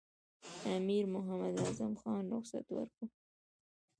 امیر محمد اعظم خان رخصت ورکوي.